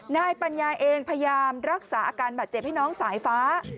นายปัญญาเองพยายามรักษาอาการบาดเจ็บให้น้องสายฟ้า